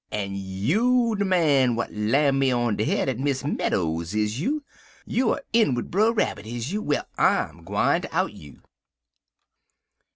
En so you er de man w'at lam me on de head at Miss Meadows's is you? You er in wid Brer Rabbit, is you? Well, I'm gwineter out you.'